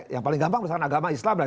yang paling gampang misalkan agama islam lah